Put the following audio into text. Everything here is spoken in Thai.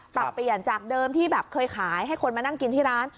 ปรับเปลี่ยนจากเดิมที่แบบเคยขายให้คนมานั่งกินที่ร้าน